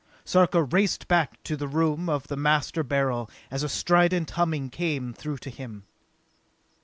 Sarka raced back to the room of the Master Beryl as a strident humming came through to him.